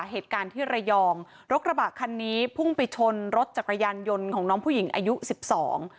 เหตุการณ์ที่ระยองรถกระบะคันนี้พุ่งไปชนรถจักรยานยนต์ของน้องผู้หญิงอายุสิบสอง